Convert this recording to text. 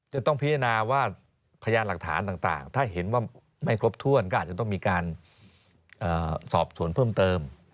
จะต้องพิจารณาว่าพยานหลักฐานต่างถ้าเห็นว่าไม่ครบถ้วนก็อาจจะต้องมีการสอบสวนเพิ่มเติม